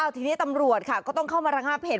ทีนี้ตำรวจค่ะก็ต้องเข้ามาระงับเหตุ